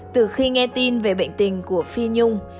từ khi nghe tin về bệnh tình của phi nhung